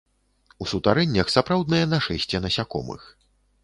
У сутарэннях сапраўднае нашэсце насякомых.